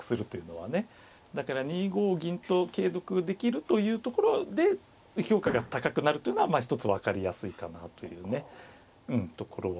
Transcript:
だから２五銀と桂得できるというところで評価が高くなるというのはまあ一つ分かりやすいかなというねうんところはあると思います。